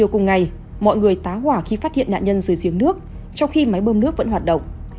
cùng ngày mọi người tá hỏa khi phát hiện nạn nhân dưới giếng nước trong khi máy bơm nước vẫn hoạt động